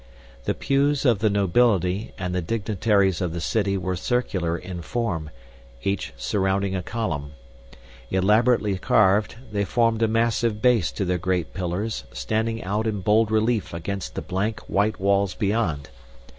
The pews of the nobility and the dignitaries of the city were circular in form, each surrounding a column. Elaborately carved, they formed a massive base to their great pillars standing out in bold relief against the blank, white walls beyond.